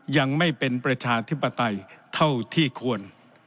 ยังไม่เป็นประชาธิปไตยเท่าที่ควร